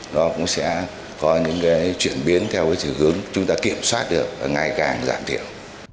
nó cũng sẽ có những chuyển biến theo chữ hướng chúng ta kiểm soát được và ngày càng giảm thiểu